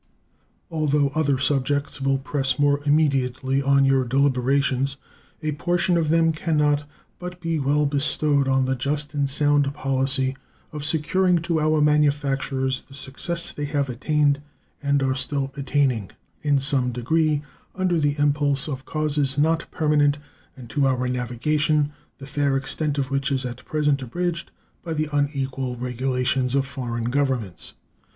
Although other subjects will press more immediately on your deliberations, a portion of them can not but be well bestowed on the just and sound policy of securing to our manufactures the success they have attained, and are still attaining, in some degree, under the impulse of causes not permanent, and to our navigation, the fair extent of which is at present abridged by the unequal regulations of foreign governments.